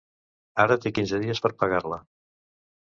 Ara té quinze dies per pagar-la.